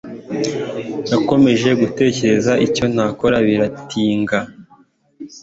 nakomeje gutekereza kucyo nakora biratinga